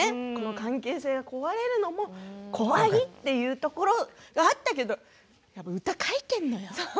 関係性が壊れるのも怖いというところがあったけど歌を書いているのよ。